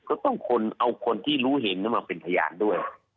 ก็ต้องคนเอาคนที่รู้เห็นมาเป็นพยานด้วย